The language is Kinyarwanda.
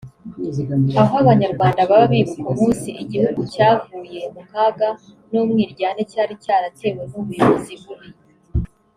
aho Abanyarwanda baba bibuka umunsi igihugu cyavuye mu kaga n’umwiryane cyari cyaratewe n’ubuyobozi bubi